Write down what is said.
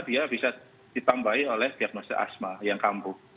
dia bisa ditambahi oleh diagnosi asma yang kampuh